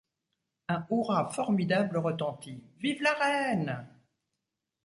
Un hourra formidable retentit :« Vive la reine !